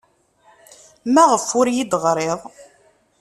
Maɣef ur iyi-d-teɣriḍ?